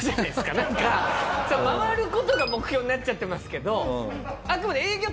なんか回る事が目標になっちゃってますけど。